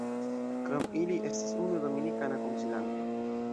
Krom ili, estas unu dominikana konsilanto.